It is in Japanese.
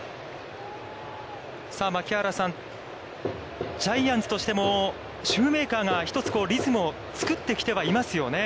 さあ、槙原さん、ジャイアンツとしてもシューメーカーが１つリズムを作ってきてはいますよね。